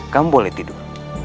kamu boleh tidur